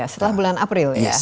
setelah bulan april ya